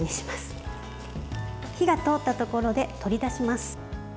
火が通ったところで取り出します。